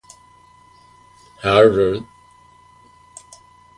However, there was a great deal of skepticism and criticism from the academic community.